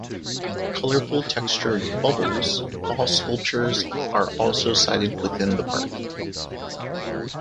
Colourful textured "Bubbles" ball sculptures are also sited within the park.